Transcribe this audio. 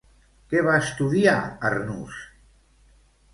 Què va estudiar Arnús?